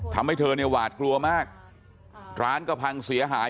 ทำให้เธอเนี่ยหวาดกลัวมากร้านก็พังเสียหาย